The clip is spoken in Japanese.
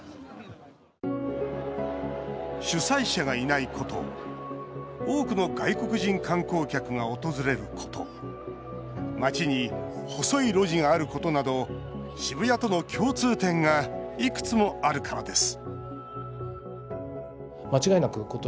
主催者がいないこと多くの外国人観光客が訪れること街に細い路地があることなど渋谷との共通点がいくつもあるからです